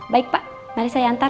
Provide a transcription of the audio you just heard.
baik pak mari saya antar